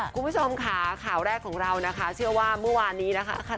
คุณผู้ชมค่ะข่าวแรกของเรานะคะเชื่อว่าเมื่อวานนี้นะคะ